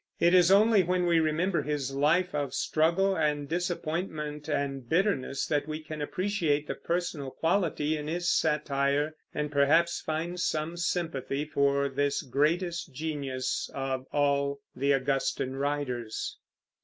It is only when we remember his life of struggle and disappointment and bitterness that we can appreciate the personal quality in his satire, and perhaps find some sympathy for this greatest genius of all the Augustan writers.